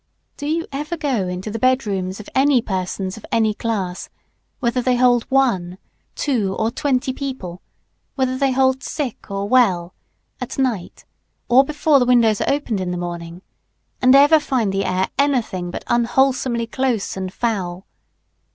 ] Do you ever go into the bed rooms of any persons of any class, whether they contain one, two, or twenty people, whether they hold sick or well, at night, or before the windows are opened in the morning, and ever find the air anything but unwholesomely close and foul?